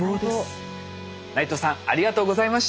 内藤さんありがとうございました。